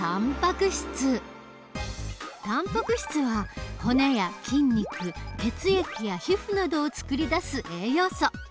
たんぱく質は骨や筋肉血液や皮膚などをつくり出す栄養素。